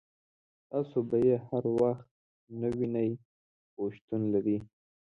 تاسو به یې هر وخت نه وینئ خو شتون لري.